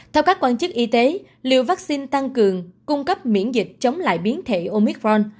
theo các quan chức y tế liều vaccine tăng cường cung cấp miễn dịch chống lại biến thể omicron